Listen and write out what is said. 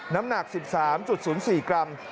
น้ำหนัก๑๓๐๔กรัม